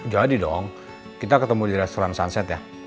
jadi dong kita ketemu di restoran sunset ya